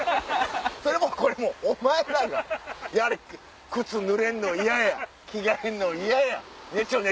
それもこれもお前らがやれ靴ぬれるの嫌や着替えるの嫌やねちょね